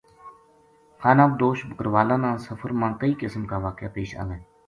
ِِِخانہ بدوش بکروالاں نا سفر ماکئی قِسم کا واقعہ پیش آوے